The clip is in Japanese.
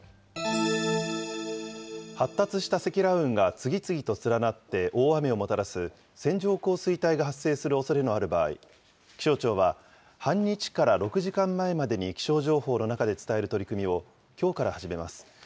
発達した積乱雲が次々と連なって大雨をもたらす線状降水帯が発生するおそれのある場合、気象庁は、半日から６時間前までに、気象情報の中で伝える取り組みを、きょうから始めます。